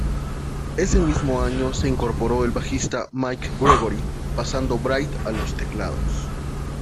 Ese mismo año se incorporó el bajista Mike Gregory, pasando Braid a los teclados.